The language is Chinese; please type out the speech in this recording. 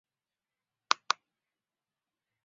元朔匈奴祭祀祖先的龙城。